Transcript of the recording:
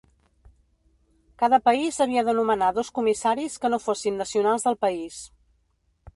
Cada país havia de nomenar dos comissaris que no fossin nacionals del país.